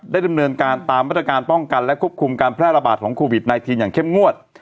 ดำเนินการตามมาตรการป้องกันและควบคุมการแพร่ระบาดของโควิด๑๙อย่างเข้มงวด